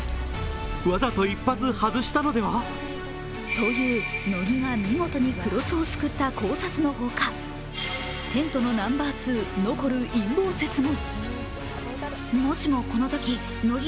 という乃木が見事に黒須を救った考察のほかテントのナンバーツー、ノコル陰謀説も。